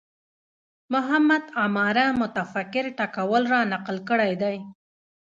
محمد عماره متفکر ټکول رانقل کړی دی